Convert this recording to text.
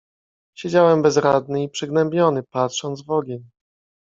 "Siedziałem bezradny i przygnębiony, patrząc w ogień."